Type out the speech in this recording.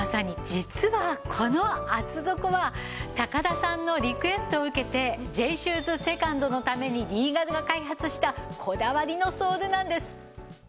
実はこの厚底は高田さんのリクエストを受けてＪシューズ２ｎｄのためにリーガルが開発したこだわりのソールなんです。